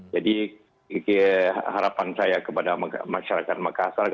jadi harapan saya kepada masyarakat makassar